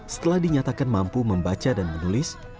setelah dinyatakan mampu membaca dan menulis